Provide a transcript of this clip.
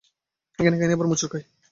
এখানে কাহিনি আবার মোচড় খায়।